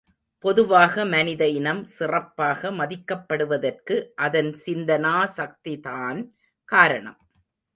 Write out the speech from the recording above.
பொதுவாக மனித இனம் சிறப்பாக மதிக்கப்படுவதற்கு அதன் சிந்தனா சக்திதான் காரணம்.